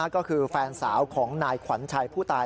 ก็คือแฟนสาวของนายขวัญชัยผู้ตาย